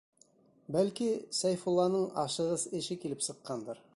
Бәлки, Сәйфулланың ашығыс эше килеп сыҡҡандыр.